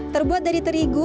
terbuat dari terigu